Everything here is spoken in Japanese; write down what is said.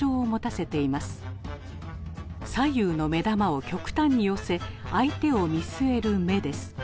左右の目玉を極端に寄せ相手を見据える目です。